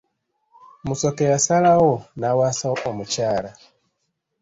Musoke yasalawo n'awasa omukyala.